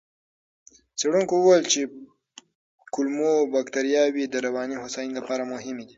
څېړونکو وویل چې کولمو بکتریاوې د رواني هوساینې لپاره مهمې دي.